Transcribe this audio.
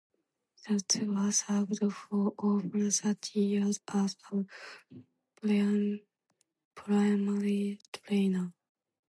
The Tutor served for over thirty years as a primary trainer.